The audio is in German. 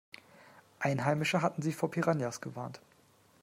Einheimische hatten sie vor Piranhas gewarnt.